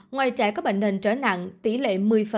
ngoài trẻ có bệnh nền trở nặng tỷ lệ một mươi